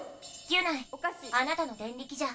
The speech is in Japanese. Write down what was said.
ギュナイあなたのデンリキじゃ